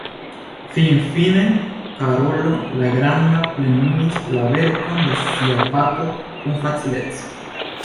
Finfine Karolo la Granda plenumis la verkon de sia patro kun facileco.